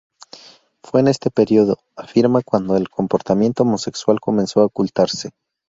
Fue en este periodo, afirma, cuando el comportamiento homosexual comenzó a ocultarse.